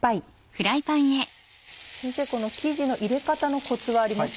先生この生地の入れ方のコツはあります？